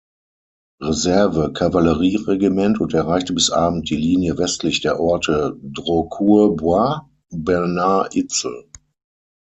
Reserve-Kavallerie-Regiment, und erreichte bis Abend die Linie westlich der Orte Drocourt-Bois Bernard-Izel.